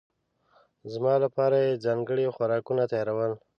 زما لپاره یې ځانګړي خوراکونه تيارول.